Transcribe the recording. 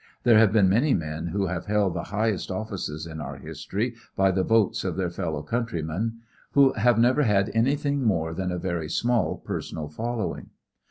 There have been many men who have held the highest offices in our history by the votes of their fellow countrymen who have never had anything more than a very small personal following.